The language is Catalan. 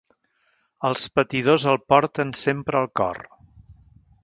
Els patidors el porten sempre al cor.